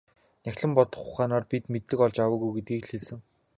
Нягтлан бодох ухаанаар бид мэдлэг олж аваагүй гэдгийг л хэлсэн.